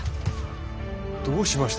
どうしました？